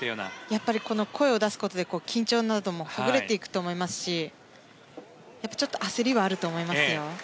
やっぱり声を出すことで緊張などもほぐれていくと思いますし焦りはあると思いますよ。